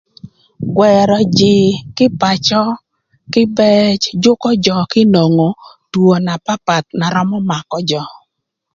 Gwërö jïï kï pacö kïbëc jükö jö kï nwongo two na papath na römö makö jö